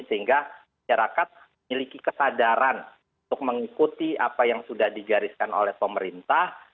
sehingga masyarakat miliki kesadaran untuk mengikuti apa yang sudah digariskan oleh pemerintah